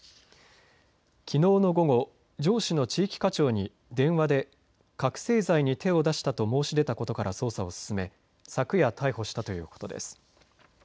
きのうの午後、上司の地域課長に電話で覚醒剤に手を出したと申し出たことから捜査を進め昨夜、逮捕したということです。